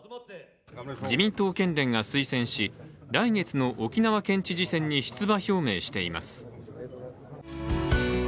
自民党県連が推薦し来月の沖縄県知事選に出馬表明しています。